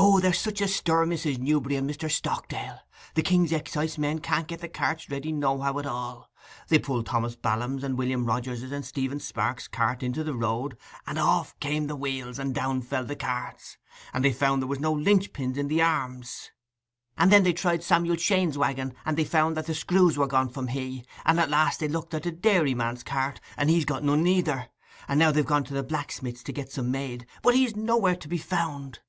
'O, there's such a stoor, Mrs. Newberry and Mr. Stockdale! The king's excisemen can't get the carts ready nohow at all! They pulled Thomas Ballam's, and William Rogers's, and Stephen Sprake's carts into the road, and off came the wheels, and down fell the carts; and they found there was no linch pins in the arms; and then they tried Samuel Shane's waggon, and found that the screws were gone from he, and at last they looked at the dairyman's cart, and he's got none neither! They have gone now to the blacksmith's to get some made, but he's nowhere to be found!